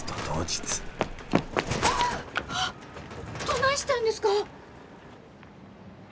どないしたんですか？